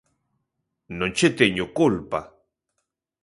Non che teño culpa